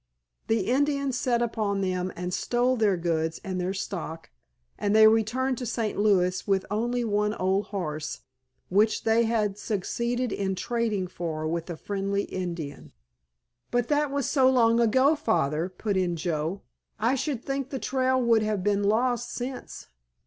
The Indians set upon them and stole their goods and their stock, and they returned to St. Louis with only one old horse, which they had succeeded in trading for with a friendly Indian." "But that was so long ago, Father," put in Joe, "I should think the trail would have been lost since."